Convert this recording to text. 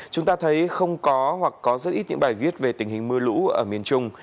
chúng ta thấy không có hoặc có rất ít những bài viết về tình hình mưa lũ ở miền trung